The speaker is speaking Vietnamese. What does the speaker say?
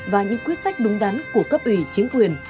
và những quyết sách đúng đắn của cấp ủy chính quyền